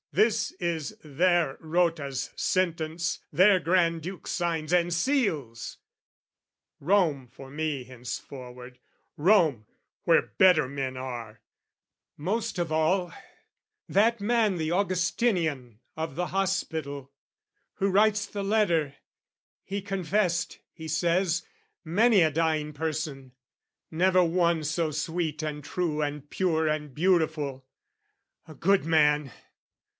This is their Rota's sentence, their Granduke Signs and seals! Rome for me henceforward Rome, Where better men are, most of all, that man The Augustinian of the Hospital, Who writes the letter, he confessed, he says, Many a dying person, never one So sweet and true and pure and beautiful. A good man!